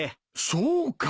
そうか。